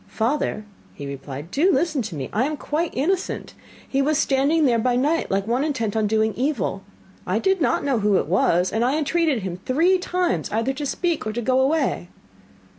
'Father,' he replied, 'do listen to me. I am quite innocent. He was standing there by night like one intent on doing evil. I did not know who it was, and I entreated him three times either to speak or to go away.